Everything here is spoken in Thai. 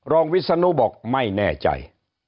วิศนุบอกไม่แน่ใจ